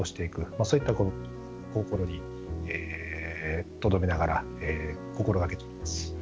そういったことを心にとどめながら心がけております。